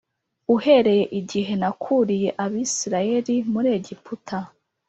Uhereye igihe nakuriye Abisirayeli muri Egiputa